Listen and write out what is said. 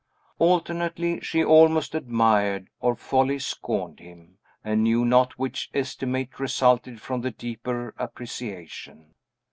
Alternately, she almost admired, or wholly scorned him, and knew not which estimate resulted from the deeper appreciation.